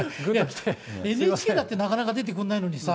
ＮＨＫだってなかなか出てくんないのにさ。